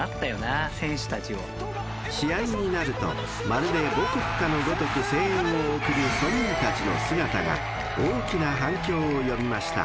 ［試合になるとまるで母国かのごとく声援を送る村民たちの姿が大きな反響を呼びました］